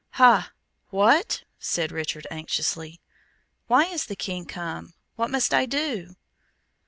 "Ha! what?" said Richard, anxiously. "Why is the King come? What must I do?"